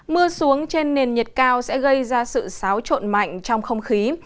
mưa xuống trên nền nhiệt cao sẽ gây ra sự xáo trộn mạnh trong không khí